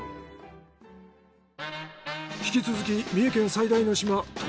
引き続き三重県最大の島答